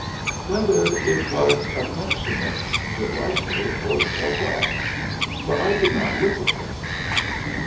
whether it was affectionate, derisive, or what, for I did not look at him.